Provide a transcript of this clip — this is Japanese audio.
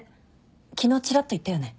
昨日ちらっと言ったよね？